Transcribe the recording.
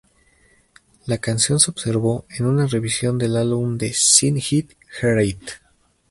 La canción se observó en una revisión del álbum de Seen It Heart It.